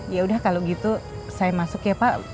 yaudah kalau gitu saya masuk ya pak